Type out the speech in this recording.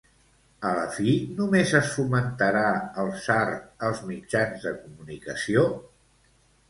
A la fi, només es fomentarà el sard als mitjans de comunicació?